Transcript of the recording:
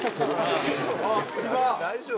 大丈夫？